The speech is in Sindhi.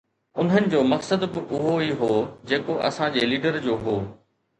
انهن جو مقصد به اهو ئي هو جيڪو اسان جي ليڊر جو هو